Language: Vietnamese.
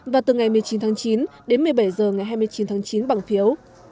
và từ ngày một mươi chín tháng chín đến một mươi bảy h ngày hai mươi chín tháng chín bằng phiếu